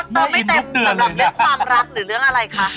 อ๋อแล้วเต็มไม่เต็มสำหรับเลือกความรักหรือเรื่องอะไรคะ